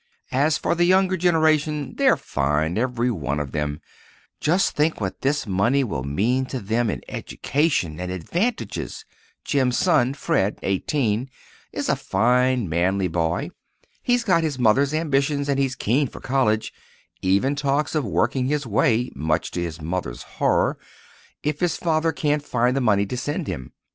As for the younger generation—they're fine, every one of them; and just think what this money will mean to them in education and advantages! Jim's son, Fred, eighteen, is a fine, manly boy. He's got his mother's ambitions, and he's keen for college—even talks of working his way (much to his mother's horror) if his father can't find the money to send him.